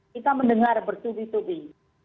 kita mendengar bertubi tubi